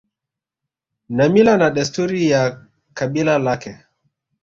na mila na desturi ya kabila lake